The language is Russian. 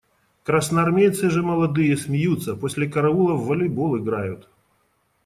Красноармейцы же молодые – смеются, после караула в волейбол играют.